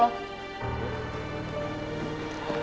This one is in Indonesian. lo duluan aja deh